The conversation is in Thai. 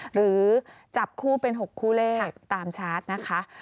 หรือจับคู่เป็น๖คู่เลขตามชาร์จนะคะ